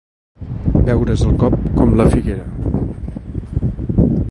Beure's el cop, com la figuera.